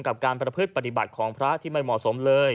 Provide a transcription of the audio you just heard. กับการประพฤติปฏิบัติของพระที่ไม่เหมาะสมเลย